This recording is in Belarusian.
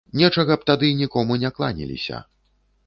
Нечага б тагды нікому не кланяліся.